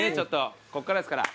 ここからですから。